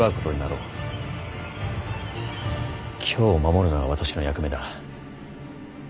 京を守るのが私の役目だ。